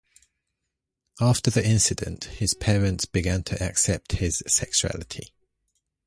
After the incident, his parents began to accept his sexuality.